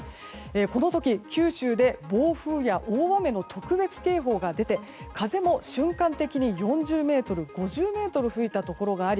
この時、九州で暴風や大雨の特別警報が出て風も瞬間的に４０メートル５０メートルと吹いたところがあり